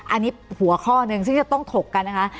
อันนี้หัวข้อหนึ่งซึ่งจะต้องถกกันนะคะ